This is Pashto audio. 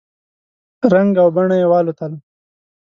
رنګ او بڼه یې والوتله !